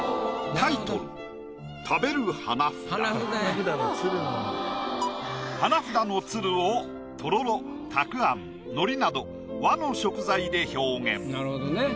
タイトル花札の鶴をとろろたくあん海苔など和の食材で表現。